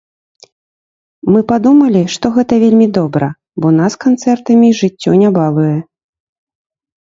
Мы падумалі, што гэта вельмі добра, бо нас канцэртамі жыццё не балуе.